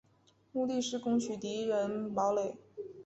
目的是攻取敌人堡垒。